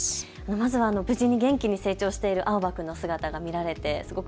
まずは無事に元気に成長している蒼波君の姿が見られてすごく